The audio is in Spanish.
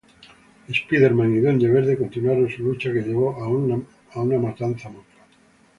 Spider-Man y Duende Verde continuaron su lucha que llevó a una matanza mutua.